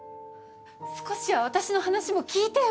少しは私の話も聞いてよ！